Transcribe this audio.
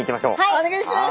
お願いします！